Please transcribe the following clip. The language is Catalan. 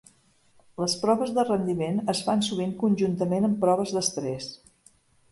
Les proves de rendiment es fan sovint conjuntament amb proves d'estrès.